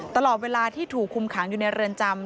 ตลอดเวลาที่ถูกคุมขังอยู่ในเรือนจำ